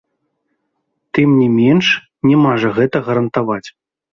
Тым не менш не мажа гэта гарантаваць.